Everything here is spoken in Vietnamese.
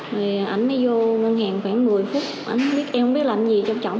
rồi ảnh mới vô ngân hàng khoảng một mươi phút ảnh biết em không biết làm gì trong trọng